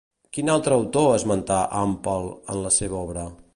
Quin altre autor esmentà Àmpel en la seva obra?